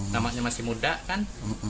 namanya masih muda kan